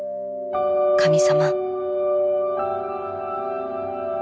神様」。